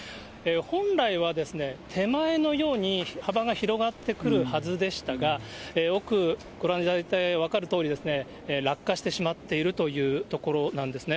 本来はですね、手前のように幅が広がってくるはずでしたが、奥、ご覧いただいて分かるとおり、落下してしまっているというところなんですね。